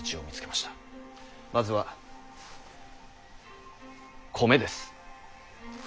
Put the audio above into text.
まずは米です。